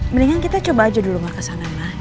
mendingan kita coba aja dulu gak kesana nino